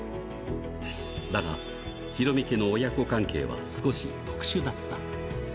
だが、ヒロミ家の親子関係は少し特殊だった。